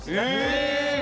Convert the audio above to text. え！